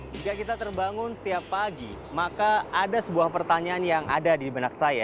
jika kita terbangun setiap pagi maka ada sebuah pertanyaan yang ada di benak saya